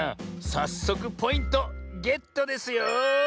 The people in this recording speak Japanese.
さっそくポイントゲットですよ。